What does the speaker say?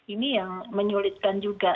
ini yang menyulitkan juga